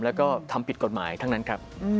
แล้วก็ทำผิดกฎหมายทั้งนั้นครับ